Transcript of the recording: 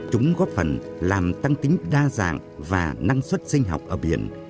chúng góp phần làm tăng tính đa dạng và năng suất sinh học ở biển